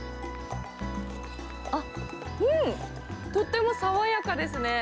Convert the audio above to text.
あっ、とっても爽やかですね。